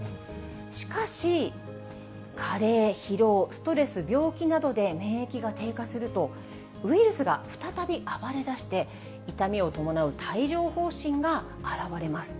しかし、加齢、疲労、ストレス、病気などで免疫が低下すると、ウイルスが再び暴れだして、痛みを伴う帯状ほう疹が現れます。